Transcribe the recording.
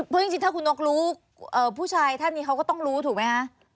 เพราะจริงถ้าคุณนกรู้ผู้ชายท่านนี้เขาก็ต้องรู้ถูกไหมคะ